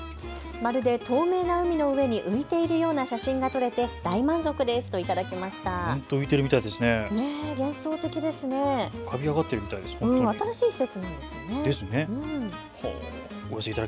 まるで透明な海の上に浮いているような写真が撮れて大満足ですといただきました。